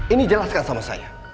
ini jelaskan sama saya